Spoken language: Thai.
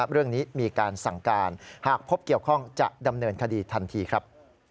เรื่องนี้มีการสั่งการหากพบเกี่ยวข้องจะดำเนินคดีทันทีครับ